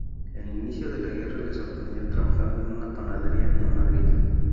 El inicio de la guerra le sorprendió trabajando en una panadería en Madrid.